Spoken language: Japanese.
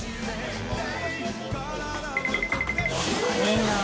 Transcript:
いいなぁ。